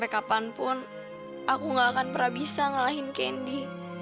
kapanpun aku gak akan pernah bisa ngalahin kendi